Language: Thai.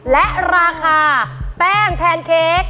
และราคาแป้งแพนเค้ก